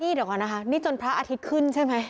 เดี๋ยวก่อนนะคะนี่จนพระอาทิตย์ขึ้นใช่ไหม